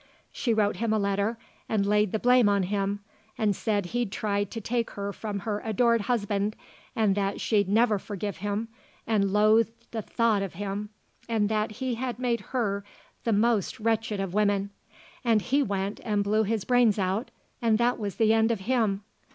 She wrote him a letter and laid the blame on him, and said he'd tried to take her from her adored husband and that she'd never forgive him and loathed the thought of him, and that he had made her the most wretched of women, and he went and blew his brains out and that was the end of him.